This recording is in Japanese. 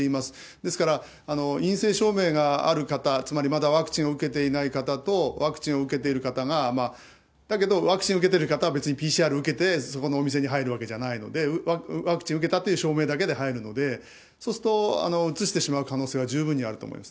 ですから、陰性証明がある方、つまりまだワクチンを受けていない方と、ワクチンを受けてる方が、だけど、ワクチン受けている方は別にＰＣＲを受けてそこのお店に入るわけじゃないので、ワクチン受けたという証明だけで入るので、そうすると、うつしてしまう可能性は十分にあると思います。